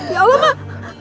ya allah mak